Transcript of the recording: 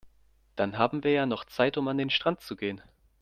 Dann haben wir ja noch Zeit, um an den Strand zu gehen.